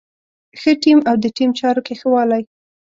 ښه ټيم او د ټيم چارو کې ښه والی.